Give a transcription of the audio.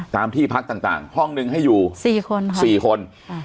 ตามที่พักต่างห้องนึงให้อยู่๔คน